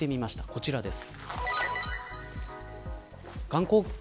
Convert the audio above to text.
こちらです。